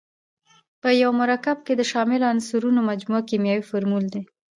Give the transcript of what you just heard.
په یوه مرکب کې د شاملو عنصرونو مجموعه کیمیاوي فورمول دی.